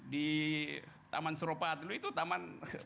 di taman suropata dulu itu taman buat